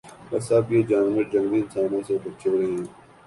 بس اب یہ جانور جنگلی انسانوں سے بچیں رھیں